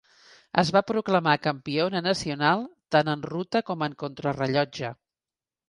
Es va proclamar campiona nacional tant en ruta com en contrarellotge.